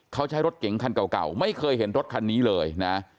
เขาใช้รถเก๋งคันเก่าไม่เคยเห็นรถคันนี้เลยนะ